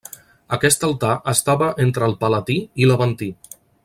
Aquest altar estava entre el Palatí i l'Aventí.